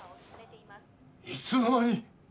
いつの間に？